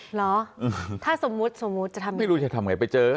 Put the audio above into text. เหรอถ้าสมมุติสมมุติจะทำยังไงไม่รู้จะทำไงไปเจอ